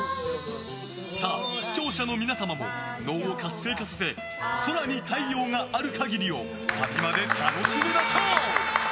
さあ、視聴者の皆様も脳を活性化させ「空に太陽がある限り」をサビまで楽しみましょう。